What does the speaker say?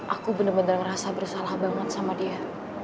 aku bener bener ngerasa bersalah banget sama dia